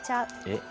えっ？